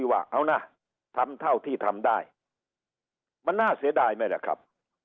ว่าเอานะทำเท่าที่ทำได้มันน่าเสียดายไหมล่ะครับ